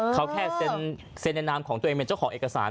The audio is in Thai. เขาแค่เซ็นในนามของตัวเองเป็นเจ้าของเอกสาร